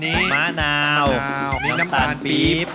น้ำซาว์น้ำตาลปลีบ